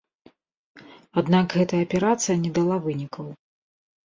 Аднак гэтая аперацыя не дала вынікаў.